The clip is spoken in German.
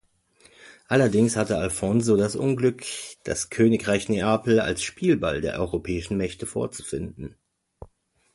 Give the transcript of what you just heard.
Allerdings hatte Alfonso das Unglück, das Königreich Neapel als Spielball der europäischen Mächte vorzufinden.